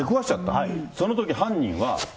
そのとき、犯人は。